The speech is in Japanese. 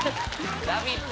「ラヴィット！」